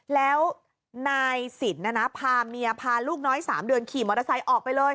แล้วนายสินพาเมียพาลูกน้อย๓เดือนขี่มอเตอร์ไซค์ออกไปเลย